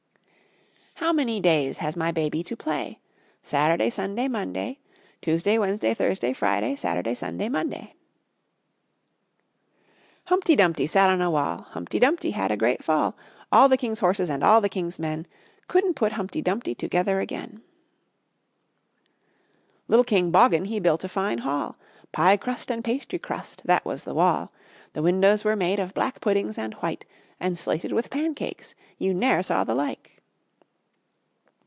How many days has my baby to play? Saturday, Sunday, Monday, Tuesday, Wednesday, Thursday, Friday, Saturday, Sunday, Monday. Humpty Dumpty sat on a wall, Humpty Dumpty had a great fall; All the king's horses and all the king's men Couldn't put Humpty Dumpty together again. Little King Boggen he built a fine hall, Pie crust and pastry crust, that was the wall; The windows were made of black puddings and white, And slated with pancakes, you ne'er saw the like!